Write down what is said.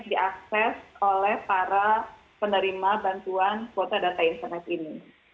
jadi ini adalah hal yang harus diakses oleh para penerima bantuan kuota data internet ini